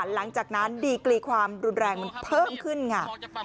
หลังจากนั้นดีกรีความรุนแรงมันเพิ่มขึ้นค่ะ